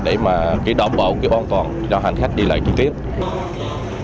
về việc tổ chức hoạt động vận tải khách bằng cano